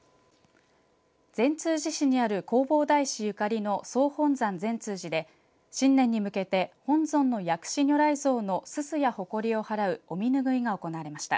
善通寺市にある弘法大師ゆかりの総本山善通寺で新年に向けて本尊の薬師如来像のすすやほこりを払うお身ぬぐいが行われました。